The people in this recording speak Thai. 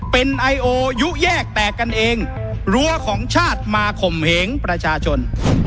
เป็นไอโอยุแยกแตกกันเองรั้วของชาติมาข่มเหงประชาชน